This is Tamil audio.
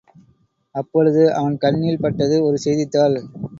அப்பொழுது அவன் கண்ணில் பட்டது ஒரு செய்தித்தாள்.